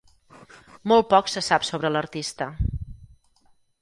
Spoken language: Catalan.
Molt poc se sap sobre l'artista.